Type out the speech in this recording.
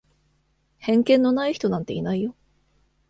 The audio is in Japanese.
偏見のない人なんていないよ。